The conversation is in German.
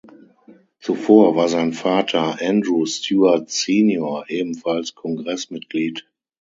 Zuvor war sein Vater Andrew Stewart senior ebenfalls Kongressmitglied.